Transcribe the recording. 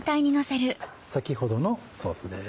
先ほどのソースです。